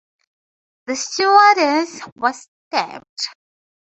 A stewardess was stabbed.